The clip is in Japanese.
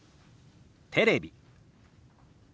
「テレビ」。